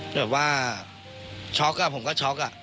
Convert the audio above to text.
แบบว่าช็อกอ่ะผมก็ช็อกอ่ะ